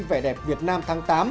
vẻ đẹp việt nam tháng tám